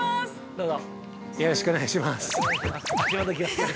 ◆どうぞ。